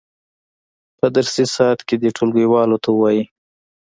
په درسي ساعت کې دې ټولګیوالو ته ووایي.